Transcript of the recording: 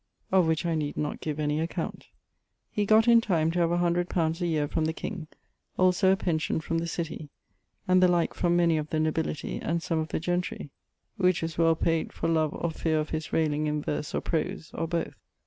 Of which I nede not giue any account. He got in time to haue a 100 li. a yeare from the king, also a pention from the Cittie, and the like from many of the nobilitie, and some of the gentry, wʰ was well payd for loue or fere of his raling in verse or prose, or boeth.